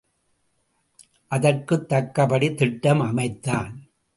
அதற்குத் தக்கபடி திட்டம் அமைத்தான்.